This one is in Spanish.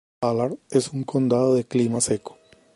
Ballard es un condado de clima seco.